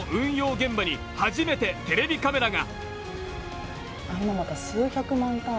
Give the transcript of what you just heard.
現場に初めてテレビカメラが。